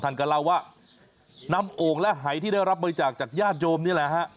ท่านก็เล่าว่านำโอ่งและหายที่ได้รับบริจาคจากญาติโยมนี่แหละฮะ